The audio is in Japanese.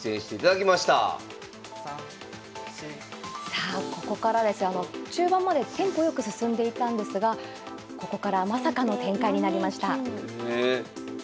さあここからですが中盤までテンポ良く進んでいたんですがここからまさかの展開になりました。